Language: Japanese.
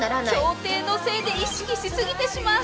協定のせいで意識しすぎてしまう！